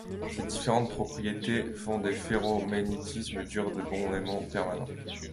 Ces différentes propriétés font des ferromagnétiques durs de bons aimants permanents.